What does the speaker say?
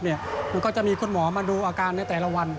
มันก็จะมีคุณหมอมาดูอาการในแต่ละวัน